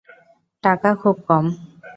টাকা খুব কম।